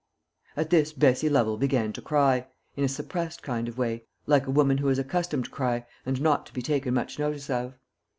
At this Bessie Lovel began to cry in a suppressed kind of way, like a woman who is accustomed to cry and not to be taken much notice of.